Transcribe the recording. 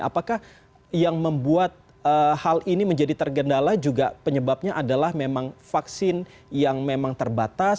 apakah yang membuat hal ini menjadi tergendala juga penyebabnya adalah memang vaksin yang memang terbatas